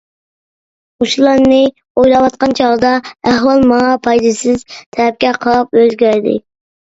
مۇشۇلارنى ئويلاۋاتقان چاغدا ئەھۋال ماڭا پايدىسىز تەرەپكە قاراپ ئۆزگەردى.